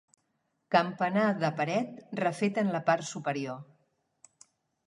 Campanar de paret refet en la part superior.